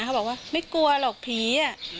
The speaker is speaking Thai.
เขาบอกว่าไม่กลัวหรอกผี